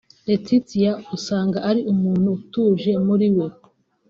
Laetitia usanga ari umuntu utuje muri we